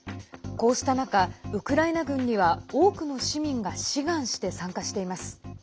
こうした中ウクライナ軍には多くの市民が志願して参加しています。